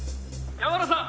「山浦さん！